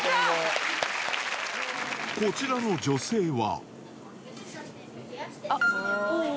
こちらの女性は。